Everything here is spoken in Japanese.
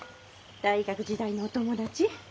大学時代のお友達？